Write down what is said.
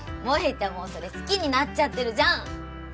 萌たゃもうそれ好きになっちゃってるじゃん！